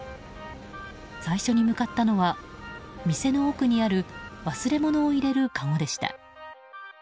最初に向かったのは店の奥にある忘れ物を入れるかごでした。